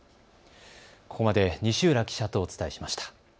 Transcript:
ここまで西浦記者とお伝えしました。